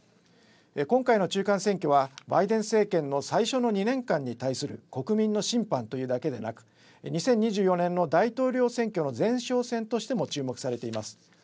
今回の中間選挙はバイデン政権の最初の２年間に対する国民の審判というだけでなく２０２４年の大統領選挙の前哨戦としても注目されています。